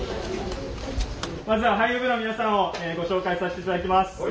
まずは俳優部の皆さんをご紹介させて頂きます。